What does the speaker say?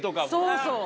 そうそう。